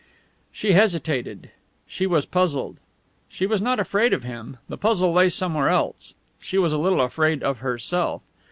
She hesitated. She was puzzled. She was not afraid of him the puzzle lay somewhere else. She was a little afraid of herself.